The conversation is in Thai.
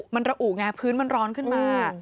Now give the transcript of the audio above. มันระอุไงพื้นมันร้อนขึ้นมา